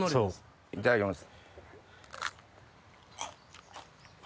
いただきます。